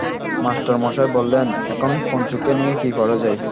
মাস্টারমশায় বললেন, এখন পঞ্চুকে নিয়ে কী করা যায়?